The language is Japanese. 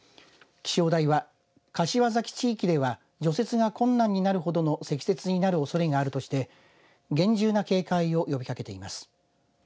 気象台は柏崎地域では除雪が困難になるほどの積雪になるおそれがあるとして厳重な警戒を呼びかけています。